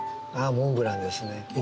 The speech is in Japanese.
モンブランです